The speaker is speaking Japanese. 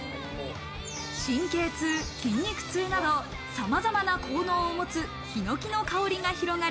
神経痛、筋肉痛などさまざまな効能を持つヒノキの香りが広がる